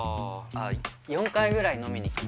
４回ぐらい飲みに行きました。